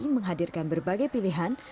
menghadirkan berbagai pilihan